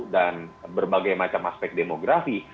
dan berbagai macam aspek demografi